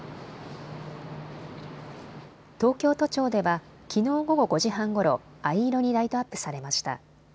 東京都庁ではきのう午後５時半ごろ藍色にライトアップされました。